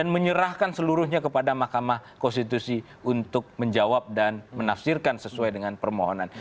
menyerahkan seluruhnya kepada mahkamah konstitusi untuk menjawab dan menafsirkan sesuai dengan permohonan